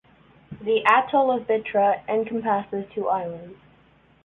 The atoll of Bitra encompasses two islands.